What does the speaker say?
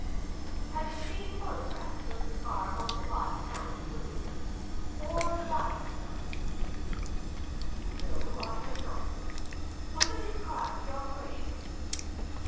"Have you seen photographs of the scar on the body found at Sewickley? Or the body itself?" "No, I have not." "Will you describe the operation?"